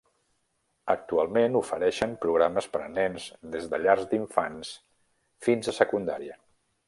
Actualment ofereixen programes per a nens des de llar d'infants fins a secundària.